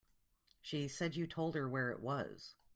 She said you told her where it was.